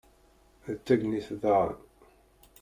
d tagnit daɣen